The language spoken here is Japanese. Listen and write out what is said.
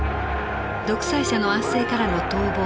独裁者の圧政からの逃亡。